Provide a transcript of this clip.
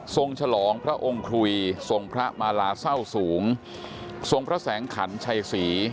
ฉลองพระองค์คุยทรงพระมาลาเศร้าสูงทรงพระแสงขันชัยศรี